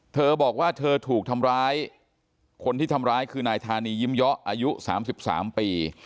เธอบอกว่าเธอถูกทำร้ายคนที่ทำร้ายคือนายธานียิ้มเยาะอายุ๓๓ปี